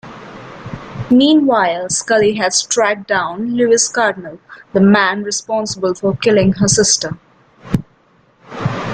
Meanwhile, Scully has tracked down Luis Cardinal, the man responsible for killing her sister.